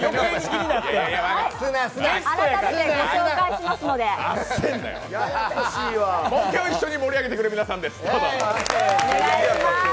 木曜日を一緒に盛り上げてくれる皆さんです。